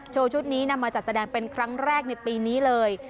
ชุดนี้นำมาจัดแสดงเป็นครั้งแรกในปีนี้เลย